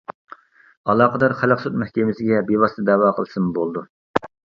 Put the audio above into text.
ئالاقىدارلار خەلق سوت مەھكىمىسىگە بىۋاسىتە دەۋا قىلسىمۇ بولىدۇ.